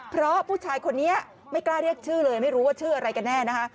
เพราะผู้ชายคนนี้ไม่กล้าเรียกชื่อเลยไม่รู้ว่าชื่ออะไรกันแน่นะคะ